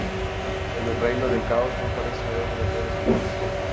En el Reino del Caos no parecen haber verdaderos aliados.